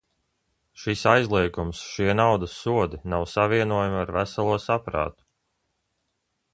Šis aizliegums, šie naudas sodi nav savienojami ar veselo saprātu.